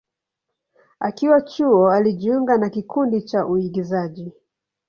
Akiwa chuo, alijiunga na kikundi cha uigizaji.